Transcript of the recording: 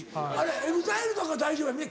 ＥＸＩＬＥとか大丈夫やね